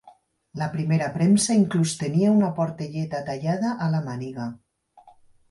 La primera premsa inclús tenia una portelleta tallada a la màniga.